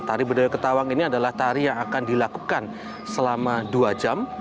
tari budaya ketawang ini adalah tari yang akan dilakukan selama dua jam